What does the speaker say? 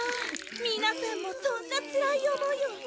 みなさんもそんなつらい思いを。